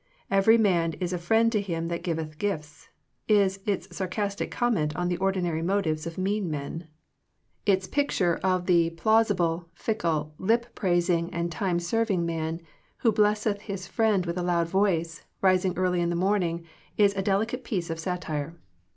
'* Every man is a friend to him that giveth gifts," is its sarcastic comment on the ordinary motives of mean men. Its picture of the 35 Digitized by VjOOQIC THE CULTURE OF FRIENDSHIP plausible, ficklei lip praising, and time serving man, who blesseth his friend with a loud voice, rising early in the morning, is a delicate piece of satire.